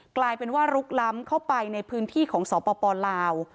กลายเป็นว่าลุกล้ำเข้าไปในพื้นที่ของสปลาว